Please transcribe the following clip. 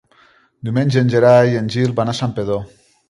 Diumenge en Gerai i en Gil van a Santpedor.